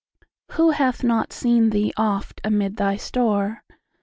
Who hath not seen thee oft amid thy store?